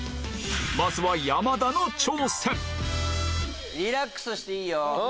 まずはリラックスしていいよ。